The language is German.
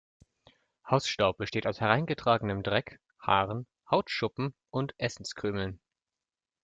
Hausstaub besteht aus hereingetragenem Dreck, Haaren, Hautschuppen und Essenskrümeln.